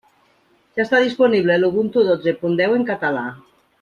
Ja està disponible l'Ubuntu dotze punt deu en català.